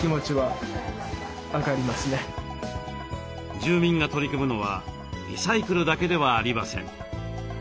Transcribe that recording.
住民が取り組むのはリサイクルだけではありません。